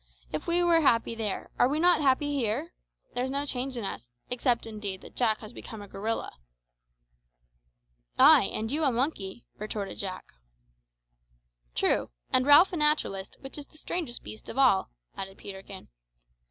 If we were happy there, are we not happy here? There's no change in us except, indeed, that Jack has become a gorilla." "Ay, and you a monkey," retorted Jack. "True; and Ralph a naturalist, which is the strangest beast of all," added Peterkin.